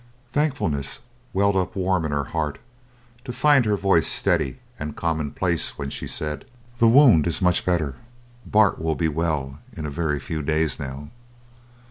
Thankfulness welled up warm in her heart to find her voice steady and commonplace when she said: "The wound is much better. Bart will be well in a very few days now."